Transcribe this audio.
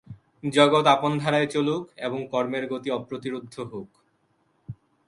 জগৎ আপন ধারায় চলুক এবং কর্মের গতি অপ্রতিরুদ্ধ হোক।